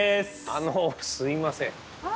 あの、すいません。